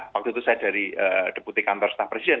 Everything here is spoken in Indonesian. waktu itu saya dari deputi kantor staf presiden